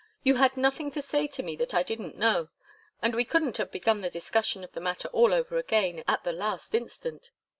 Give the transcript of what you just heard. You had nothing to say to me that I didn't know, and we couldn't have begun the discussion of the matter all over again at the last instant.